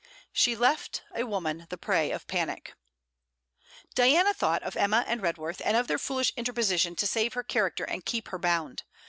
She left a woman the prey of panic. Diana thought of Emma and Redworth, and of their foolish interposition to save her character and keep her bound.